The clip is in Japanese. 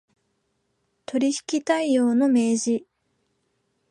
取引態様の明示